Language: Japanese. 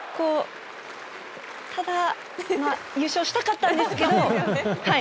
ただ優勝したかったんですけど。